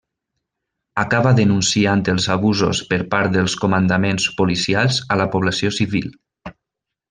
Acaba denunciant els abusos per part dels comandaments policials a la població civil.